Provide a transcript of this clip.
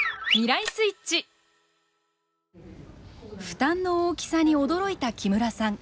負担の大きさに驚いた木村さん。